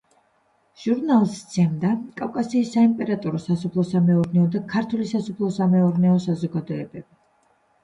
ჟურნალს სცემდა კავკასიის საიმპერატორო სასოფლო-სამეურნეო და ქართული სასოფლო-სამეურნეო საზოგადოებები.